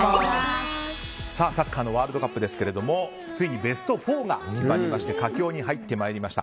サッカーのワールドカップですけれどもついにベスト４が決まりまして佳境に入ってまいりました。